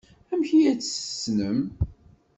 Amek ay tt-tessnem?